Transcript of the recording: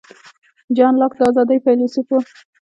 جان لاک د آزادۍ فیلیسوف و.